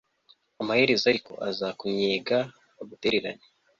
amaherezo ariko azakunnyega, agutererane